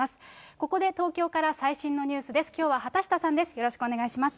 ここで東京から最新のニュースです。